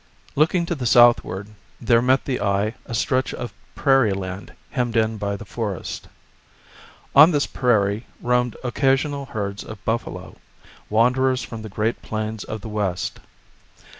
Looking to the southward there met the eye a stretch of prairie land hemmed in by the forest. On this prairie roamed occasional herds of buffalo, wanderers from the great plains of the West.